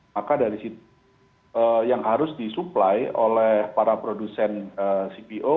maka dari situ yang harus disuplai oleh para produsen cpo